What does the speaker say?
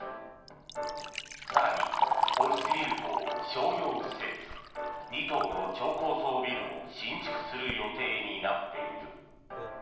更に、オフィスビルと商業施設２棟の超高層ビルも新築する予定になっている。